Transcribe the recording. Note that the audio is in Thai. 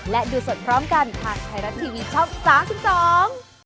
และดูสดพร้อมกันทางไทยรัตน์ทีวีช่อง๓๒